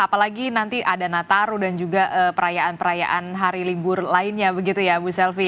apalagi nanti ada nataru dan juga perayaan perayaan hari libur lainnya begitu ya bu selvi